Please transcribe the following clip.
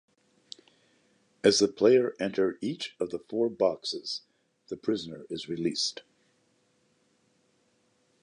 As the player enter each of the four boxes the prisoner is released.